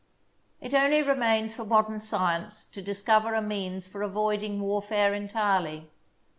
It only remains for modern science to discover a means for avoiding warfare entirely.